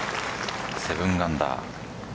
７アンダー。